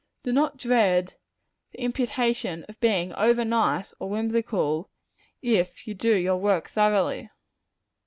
Do not dread the imputation of being over nice or whimsical, if you do your work thoroughly.